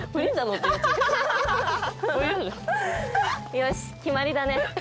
よし決まりだね。